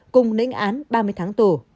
cùng nễnh án ba mươi tháng tù